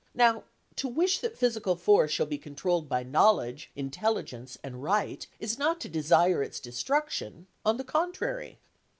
Now, to wish that physical force shall be controlled by knowledge, intelligence and right is not to desire its destruction; on the contrary.